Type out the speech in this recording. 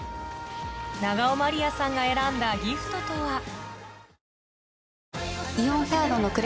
永尾まりやさんが選んだギフトとは？